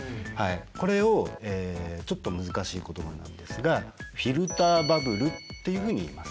これをちょっと難しい言葉なんですがフィルターバブルっていうふうにいいます。